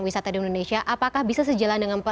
wisata di indonesia apakah bisa sejalan dengan